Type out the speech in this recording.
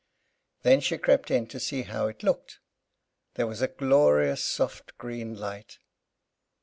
Then she crept in to see how it looked. There was a glorious soft green light.